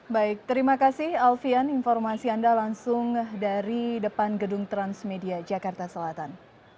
baik terima kasih alfian informasi anda langsung dari depan gedung transmedia jakarta selatan